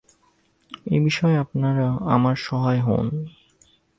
এ বিষয়ে আপনারা আমার সহায় হউন।